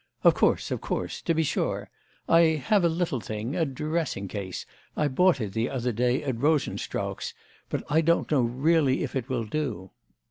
Of course, of course; to be sure. I have a little thing, a dressing case, I bought it the other day at Rosenstrauch's; but I don't know really if it will do.